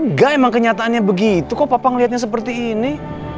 enggak emang kenyataannya begitu kok papa melihatnya seperti ini